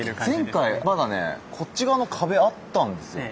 前回まだねこっち側の壁あったんですよね。